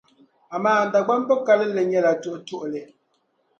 Amaa Dagbamba kalinli nyԑla kamani tuhutuhili.